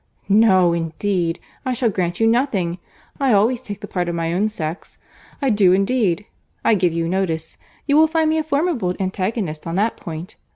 "No, indeed, I shall grant you nothing. I always take the part of my own sex. I do indeed. I give you notice—You will find me a formidable antagonist on that point.